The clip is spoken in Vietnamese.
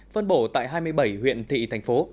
phân bổ tại hai mươi bảy huyện thị thành phố